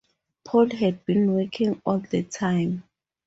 Paul had been working all the time.